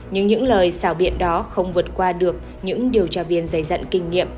nhưng những lời xảo biện đó không vượt qua được những điều tra viên giấy dận kinh nghiệm